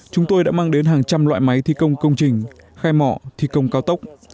chúng tôi đã mang đến hàng trăm loại máy thi công công trình khai mỏ thi công cao tốc